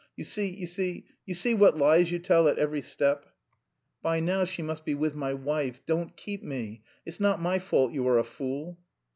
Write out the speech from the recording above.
You see, you see, you see what lies you tell at every step." "By now, she must be with my wife... don't keep me... it's not my fault you are a fool."